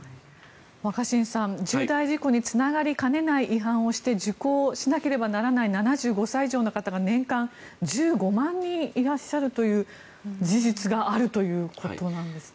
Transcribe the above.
若新さん、重大事故につながりかねない違反をして受講しなければならない７５歳以上の方が年間１５万人いらっしゃるという事実があるということなんです。